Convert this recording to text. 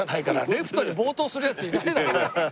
レフトに暴投するヤツいないだろ。